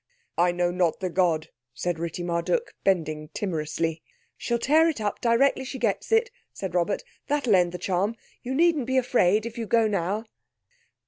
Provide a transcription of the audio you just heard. "I know not the god," said Ritti Marduk, bending timorously. "She'll tear it up directly she gets it," said Robert, "That'll end the charm. You needn't be afraid if you go now."